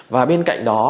và bên cạnh đó